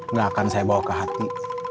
nggak akan saya bawa ke hati